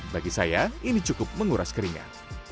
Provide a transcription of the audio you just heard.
bagi saya ini cukup menguras keringat